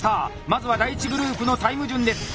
まずは第１グループのタイム順です。